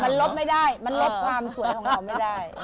มันลดไม่ได้มันลดความสวยของเราไม่ได้